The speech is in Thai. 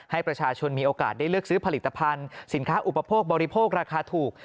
ให้ประชาชนมีโอกาสได้เลือกซื้อผลิตภัณฑ์สินค้าอุปโภคบริโภคราคาถูก